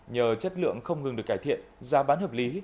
nhờ chất lượng không ngừng được cải thiện giá bán hợp lý